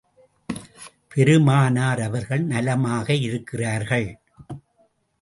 பெருமானார் அவர்கள் நலமாக இருக்கிறார்கள்.